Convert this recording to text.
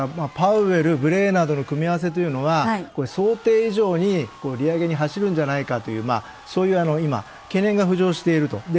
パウエル、ブレイナードの組み合わせというのは想定以上に利上げに走るんじゃないかというそういう懸念が浮上していると。